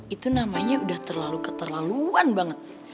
itu namanya udah terlalu keterlaluan banget